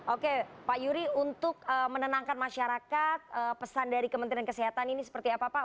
oke pak yuri untuk menenangkan masyarakat pesan dari kementerian kesehatan ini seperti apa pak